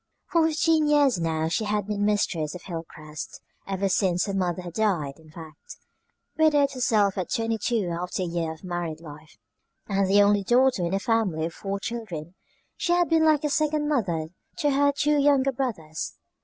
For fifteen years now she had been mistress of Hilcrest, ever since her mother had died, in fact. Widowed herself at twenty two after a year of married life, and the only daughter in a family of four children, she had been like a second mother to her two younger brothers.